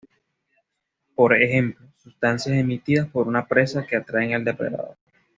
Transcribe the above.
Por ejemplo, sustancias emitidas por una presa que atraen al depredador.